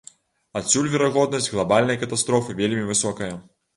Адсюль верагоднасць глабальнай катастрофы вельмі высокая.